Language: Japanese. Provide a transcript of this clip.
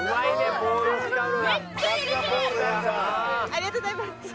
ありがとうございます。